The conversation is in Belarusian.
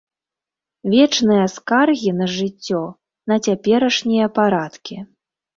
Вечныя скаргі на жыццё, на цяперашнія парадкі.